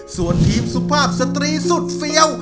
ส่วนทีมสุภาพสตรีสุดเฟี้ยว